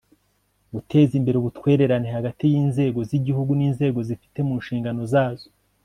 guteza imbere ubutwererane hagati y'inzego z'igihugu n'inzego zifite mu nshingano zazo